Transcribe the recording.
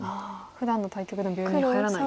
ふだんの対局でも秒読みに入らない。